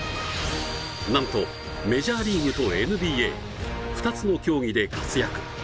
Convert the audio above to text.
なんとメジャーリーグとＮＢＡ２つの競技で活躍。